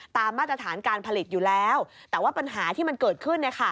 มาตรฐานการผลิตอยู่แล้วแต่ว่าปัญหาที่มันเกิดขึ้น